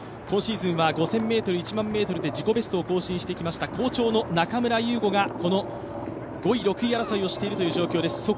今シーズンは５０００ｍ、１００００ｍで自己ベストを更新してきました好調の中村優吾がこの５位、６位争いをしている状況です。